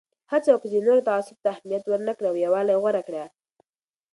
هڅه وکړه چې د نورو تعصب ته اهمیت ورنه کړې او یووالی غوره کړه.